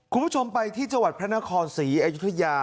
คุณผู้ชมไปที่จังหวัดพระนครศรีอยุธยา